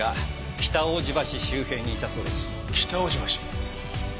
北大路橋。